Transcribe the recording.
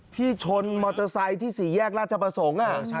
ที่ชนมอเตอร์ไซด์ที่๔แยกราชประสงค์